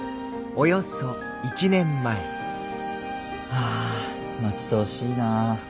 はあ待ち遠しいな。